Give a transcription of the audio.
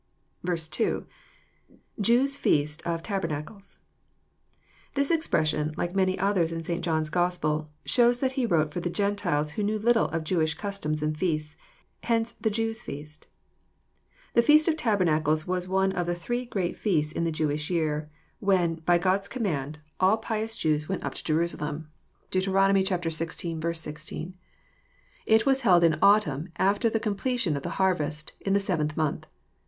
2."'[Jews* fe<ist of tabernacles.'] This expression, like many others in St. John's Gospel, shows that he wrote for the Gentiles, wiio knew little of Jewish customs and feasts. Hence "the Jews' feast." The feast of tabernacles was one of the three gr^at feasts in the Jewish year, when, by God's command, all pious Jews weut 6 EXPOsrroET thoughts. up to Jernsalem. (Deut. xvi. 16.) It was held in aatamn, aftei the completion of the harvest, in the seventh month.